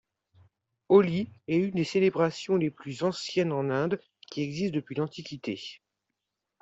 Holi est une des célébrations les plus anciennes en Inde qui existe depuis l'Antiquité.